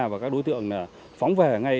và các đối tượng phóng về